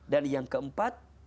dan yang keempat